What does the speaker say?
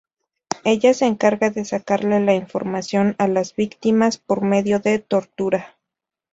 Ella se encarga de sacarle la información a las víctimas por medio de tortura.